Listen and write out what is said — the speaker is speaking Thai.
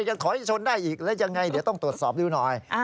ยังถอยชนได้อีกแล้วยังไงเดี๋ยวต้องตรวจสอบดูหน่อย